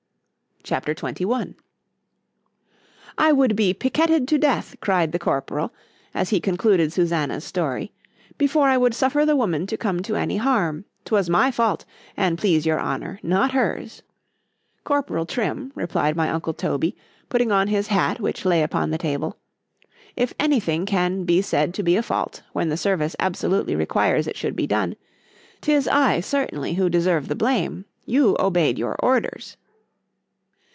C H A P. XXI ——I would be picquetted to death, cried the corporal, as he concluded Susannah's story, before I would suffer the woman to come to any harm,—'twas my fault, an' please your honour,—not her's. Corporal Trim, replied my uncle Toby, putting on his hat which lay upon the table,——if any thing can be said to be a fault, when the service absolutely requires it should be done,—'tis I certainly who deserve the blame,—you obeyed your orders.